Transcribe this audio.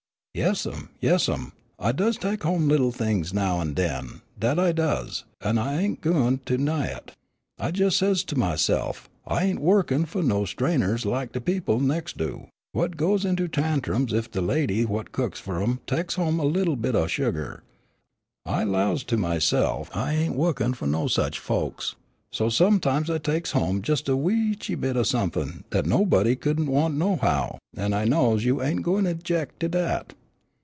"Yass'm, yass'm, I does tek home little things now an' den, dat I does, an' I ain't gwine to 'ny it. I jes' says to myse'f, I ain't wo'kin' fu' no strainers lak de people nex' do', what goes into tantrums ef de lady what cooks fu' 'em teks home a bit o' sugar. I 'lows to myse'f I ain't wo'kin' fu' no sich folks; so sometimes I teks home jes' a weenchy bit o' somep'n' dat nobody couldn't want nohow, an' I knows you ain't gwine 'ject to dat.